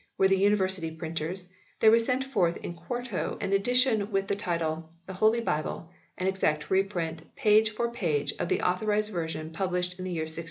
were the University printers, there was sent forth in quarto an edition with the title :" The Holy Bible, an exact reprint, page for page, of the Authorised Version published in the year 1611."